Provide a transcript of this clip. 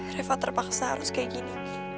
reva terpaksa harus kayak gini